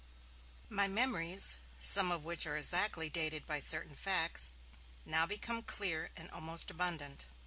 My memories, some of which are exactly dated by certain facts, now become clear and almost abundant.